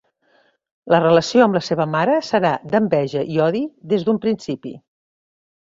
La relació amb la seva mare serà d'enveja i odi des d'un principi.